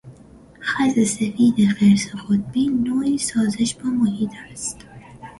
خز سفید خرس قطبی نوعی سازش با محیط است.